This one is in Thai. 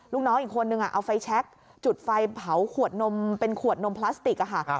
ลูกน้องอีกคนนึงเอาไฟแชคจุดไฟเผาขวดนมเป็นขวดนมพลาสติกค่ะ